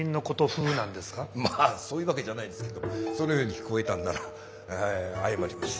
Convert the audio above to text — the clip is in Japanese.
まあそういうわけじゃないですけどもそのように聞こえたんなら謝ります。